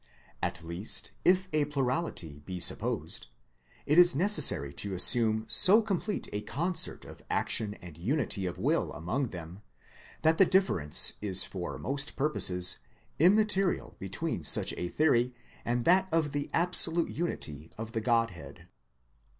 At least if a plurality be supposed, it is necessary to assume so complete a concert of action and unity of will among them that the difference is for most purposes immaterial between such a theory and that of the absolute unity of the Godhead.